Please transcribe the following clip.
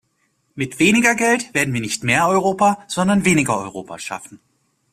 Mit weniger Geld werden wir nicht mehr Europa, sondern weniger Europa schaffen.